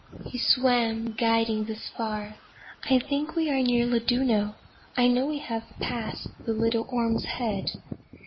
He swam, guiding the spar. "I think we are near Llandudno. I know we have passed the little Ormes' head."